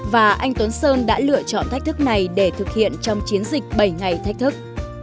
và anh tuấn sơn đã lựa chọn thách thức này để thực hiện trong chiến dịch bảy ngày thách thức